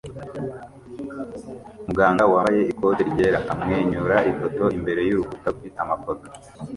Muganga wambaye ikote ryera amwenyura ifoto imbere yurukuta rufite amafoto